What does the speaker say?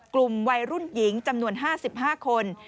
กลุ่มวัยรุ่นหญิงจำนวน๕๕คน